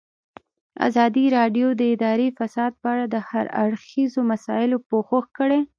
ازادي راډیو د اداري فساد په اړه د هر اړخیزو مسایلو پوښښ کړی.